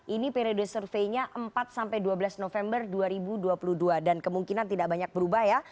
ini periode surveinya empat sampai dua belas november dua ribu dua puluh dua dan kemungkinan tidak banyak berubah ya